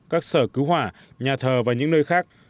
các sở cứu hỏa nhà thờ và những nơi khác